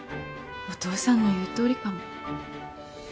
お父さんの言うとおりかも。